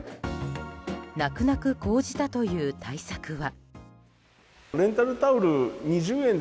泣く泣く講じたという対策は。